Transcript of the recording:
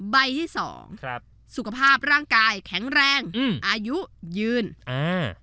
ใบที่สองครับสุขภาพร่างกายแข็งแรงอืมอายุยืนอ่า